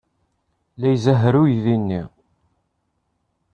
La izehher uydi-nni.